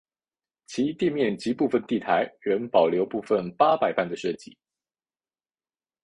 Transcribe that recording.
其店面及部份地台仍保留部份八佰伴的设计。